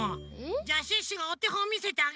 じゃあシュッシュがおてほんみせてあげるから。